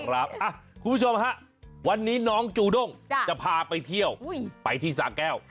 คุณผู้ชมฮะวันนี้น้องจูด้งจะพาไปเที่ยวไปที่สาแก้ว